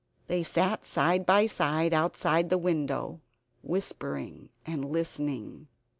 They sat side by side outside the window, whispering and listening.